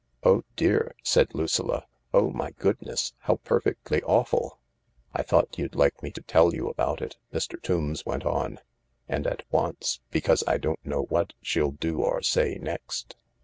"Oh dear!" said Lucilla. "Oh, my goodness, how perfectly awful 1 "" I thought you'd like me to tell you about it," Mr. Tombs went on, " and at once, because I don't know what she'll do or say next."